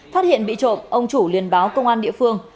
phát hiện bị trộm ông chủ liên báo công an địa phương